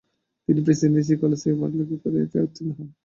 তিনি Presidency College থেকে পড়ালেখা করে এফ এ উত্তীর্ণ হন।